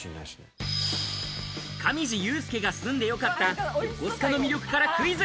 上地雄輔が住んで良かった横須賀の魅力からクイズ。